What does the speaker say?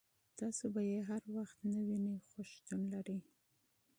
تاسو به یې هر وخت نه وینئ خو شتون لري.